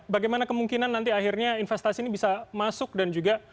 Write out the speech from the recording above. bagaimana kemungkinan nanti akhirnya investasi ini bisa masuk dan juga